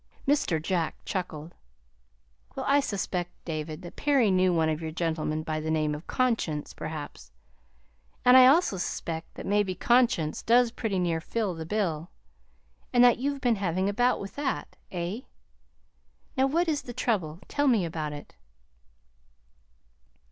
Mr. Jack chuckled. "Well, I suspect, David, that Perry knew one of your gentlemen by the name of 'conscience,' perhaps; and I also suspect that maybe conscience does pretty nearly fill the bill, and that you've been having a bout with that. Eh? Now, what is the trouble? Tell me about it."